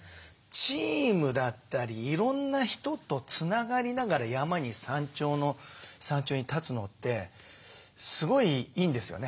チームだったりいろんな人とつながりながら山に山頂に立つのってすごいいいんですよね。